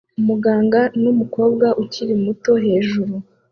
umuganga numukobwa ukiri muto hejuru